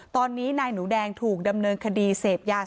ตอนนี้นายหนูแดงถูกดำเนินคดีเสพยาเสพติดอยู่ที่นี่